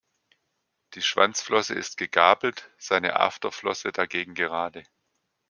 Die Schwanzflosse ist gegabelt, seine Afterflosse dagegen gerade.